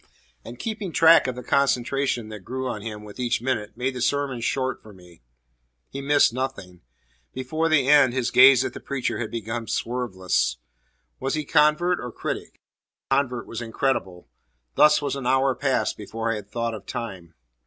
And keeping track of the concentration that grew on him with each minute made the sermon short for me. He missed nothing. Before the end his gaze at the preacher had become swerveless. Was he convert or critic? Convert was incredible. Thus was an hour passed before I had thought of time.